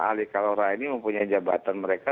ali kalora ini mempunyai jabatan mereka